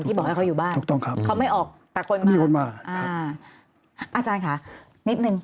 ที่บอกว่าเขาอยู่บ้านเขาไม่ออกแต่คนมาครับครับอาจารย์ค่ะนิดหนึ่ง